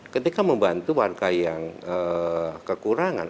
ketika membantu warga yang kekurangan